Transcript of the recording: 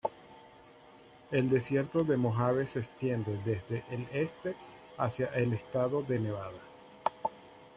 El desierto de Mojave se extiende desde el este hacia el estado de Nevada.